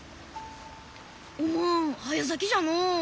おまん早咲きじゃのう。